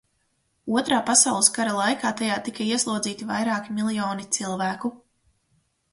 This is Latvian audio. Otrā pasaules kara laikā tajā tika ieslodzīti vairāki miljoni cilvēku.